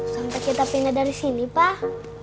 sampai kita pindah dari sini pak